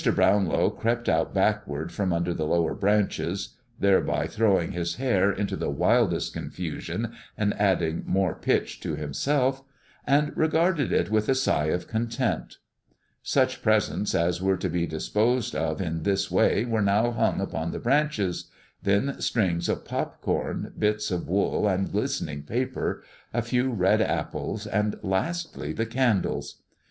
Brownlow crept out backward from under the lower branches, (thereby throwing his hair into the wildest confusion and adding more pitch to himself), and regarded it with a sigh of content. Such presents as were to be disposed of in this way were now hung upon the branches; then strings of pop corn, bits of wool, and glistening paper, a few red apples, and lastly the candles.